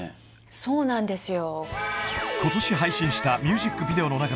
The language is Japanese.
そうなんですよ